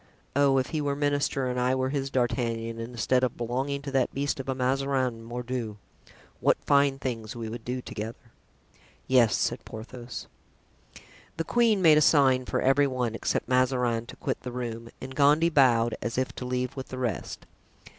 Oh! if he were minister and I were his D'Artagnan, instead of belonging to that beast of a Mazarin, mordieu! what fine things we would do together!" "Yes," said Porthos.) The queen made a sign for every one, except Mazarin, to quit the room; and Gondy bowed, as if to leave with the rest.